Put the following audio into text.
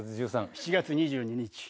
７月２２日。